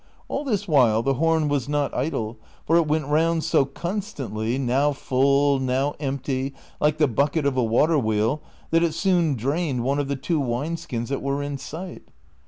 All this while the horn was not idle, for it went round so constantly, now full, now empty, like the bucket of a water wlieel,^ that it soon drained one of the two wine skins that were in sight.